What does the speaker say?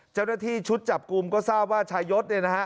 เจ้าหน้าที่ชุดจับกลุ่มก็ทราบว่าชายศเนี่ยนะฮะ